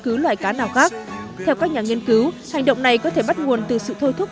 cứu loài cá nào khác theo các nhà nghiên cứu hành động này có thể bắt nguồn từ sự thôi thúc